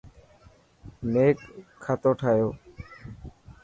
ميڪ کاتو ٺائو.